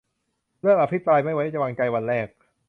- เริ่ม อภิปรายไม่ไว้วางใจ วันแรก